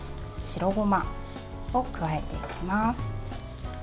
白ごまを加えていきます。